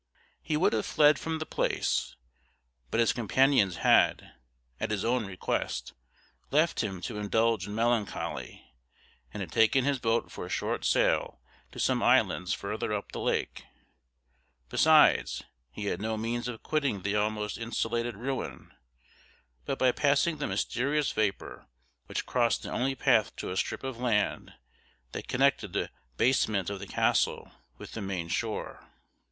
He would have fled from the place, but his companions had, at his own request, left him to indulge in melancholy, and had taken his boat for a short sail to some islands farther up the lake; besides, he had no means of quitting the almost insulated ruin, but by passing the mysterious vapour, which crossed the only path to a strip of land that connected the basement of the castle with the main shore.